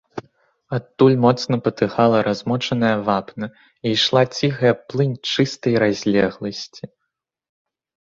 Адтуль моцна патыхала размочаная вапна, і ішла ціхая плынь чыстай разлегласці.